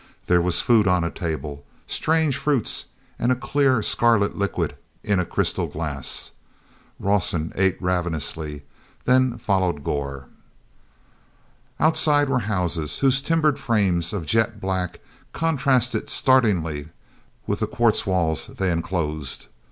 There was food on a table, strange fruits, and a clear scarlet liquid in a crystal glass. Rawson ate ravenously, then followed Gor. Outside were houses, whose timbered frames of jet black contrasted startlingly with the quartz walls they enclosed.